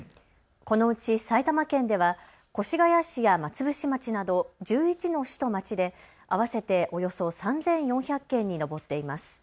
このうち埼玉県では越谷市や松伏町など１１の市と町で合わせておよそ３４００件に上っています。